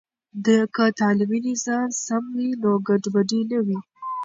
که تعلیمي نظام سم وي، نو ګډوډي نه وي.